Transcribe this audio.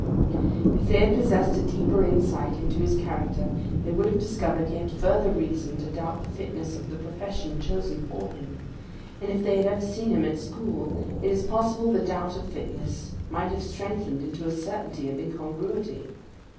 If they had possessed a deeper insight into his character, they would have discovered yet further reason to doubt the fitness of the profession chosen for him; and if they had ever seen him at school, it is possible the doubt of fitness might have strengthened into a certainty of incongruity.